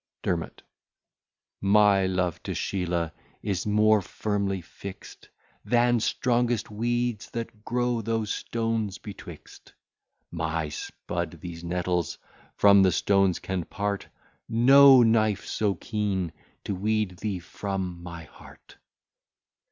DERMOT My love to Sheelah is more firmly fixt, Than strongest weeds that grow those stones betwixt; My spud these nettles from the stones can part; No knife so keen to weed thee from my heart.